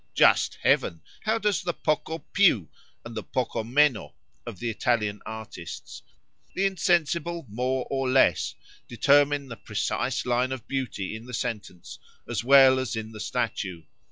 _——Just Heaven! how does the Poco piu and the Poco meno of the Italian artists;—the insensible MORE OR LESS, determine the precise line of beauty in the sentence, as well as in the statue!